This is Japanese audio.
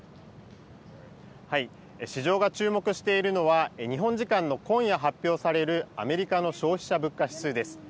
市場が注目しているのは、日本時間の今夜発表されるアメリカの消費者物価指数です。